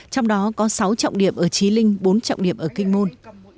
trong đó có sáu trọng điểm ở trí linh bốn trọng điểm ở kinh môn